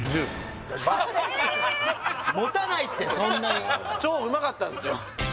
もたないってそんなに超うまかったんすよ